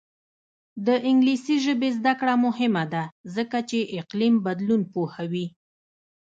د انګلیسي ژبې زده کړه مهمه ده ځکه چې اقلیم بدلون پوهوي.